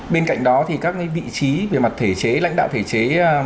bên cạnh đó thì các vị trí về mặt lãnh đạo thể chế